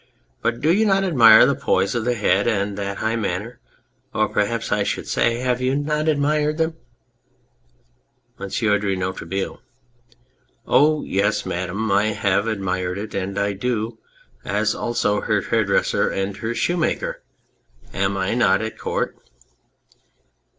But do you not admire that poise of the head and that high manner ; or perhaps I should say, have you not admired them ? MONSIEUR DE NOIRETABLE. Oh ! yes, Madame, I have admired it, and I do, as also her hairdresser and her shoemaker. Am I not at Court